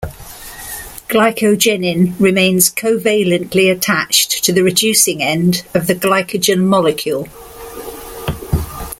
Glycogenin remains covalently attached to the reducing end of the glycogen molecule.